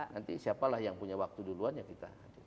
nanti siapalah yang punya waktu duluan ya kita hadir